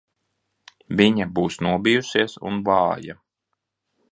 Viņa būs nobijusies un vāja.